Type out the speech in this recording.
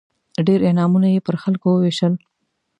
ډېر انعامونه یې پر خلکو ووېشل.